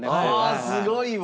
あすごいわ！